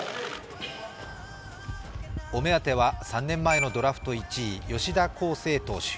お目当ては３年前のドラフト１位・吉田輝星投手。